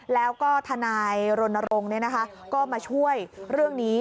แล้วก็ทนายรณรงค์ก็มาช่วยเรื่องนี้